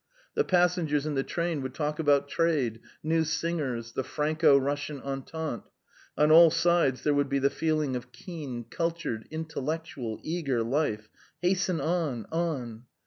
The passengers in the train would talk about trade, new singers, the Franco Russian entente; on all sides there would be the feeling of keen, cultured, intellectual, eager life. ... Hasten on, on!